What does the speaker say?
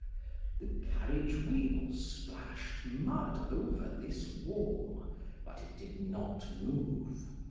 The carriage wheels splashed mud over this wall, but it did not move.